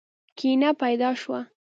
کینه پیدا شوه.